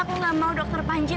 tapi kenapa mendadak seperti ini